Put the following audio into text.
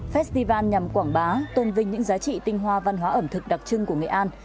festival nhằm quảng bá tôn vinh những giá trị tinh hoa văn hóa ẩm thực đặc trưng của nghệ an